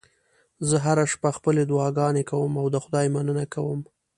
زه هره شپه خپلې دعاګانې کوم او د خدای مننه کوم